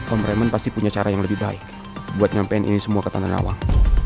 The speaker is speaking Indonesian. om raymond pasti punya cara yang lebih baik buat nyampein ini semua ke tante nawang